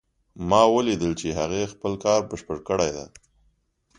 ما ولیدل چې هغې خپل کار بشپړ کړی ده